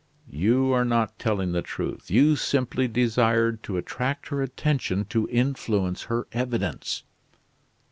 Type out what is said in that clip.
"You are not telling the truth. You simply desired to attract her attention, to influence her evidence."